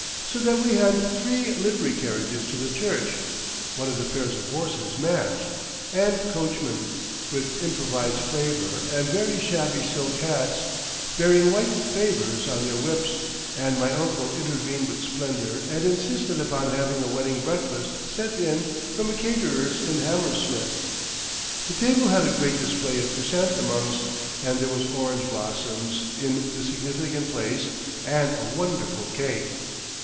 So that we had three livery carriages to the church (one of the pairs of horses matched) and coachmen—with improvised flavour and very shabby silk hats—bearing white favours on their whips, and my uncle intervened with splendour and insisted upon having a wedding breakfast sent in from a caterer's in Hammersmith. The table had a great display of chrysanthemums, and there was orange blossom in the significant place and a wonderful cake.